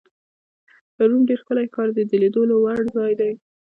روم ډېر ښکلی ښار دی، د لیدو وړ ځای دی.